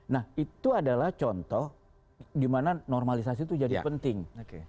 nah itu adalah contoh dimana normalisasi tuh jadi penting